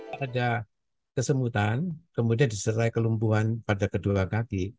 pada kesemutan kemudian disertai kelumpuhan pada kedua kaki